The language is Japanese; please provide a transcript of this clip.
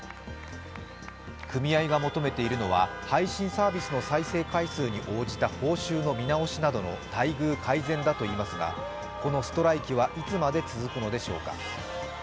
組合が求めているのは配信サービスの再生回数に応じた報酬の見直しなどの待遇改善だといいますがこのストライキはいつまで続くのでしょうか。